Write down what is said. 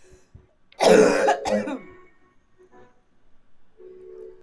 此时埋藏在山上的日军炮火又开始痛击经过山下的一批美军大队。